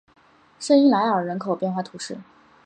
圣伊莱尔人口变化图示